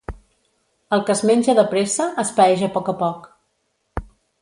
El que es menja de pressa es paeix a poc a poc.